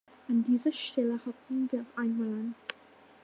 An dieser Stelle halten wir einmal an.